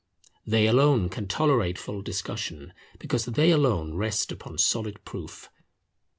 They alone can tolerate full discussion, because they alone rest upon solid proof.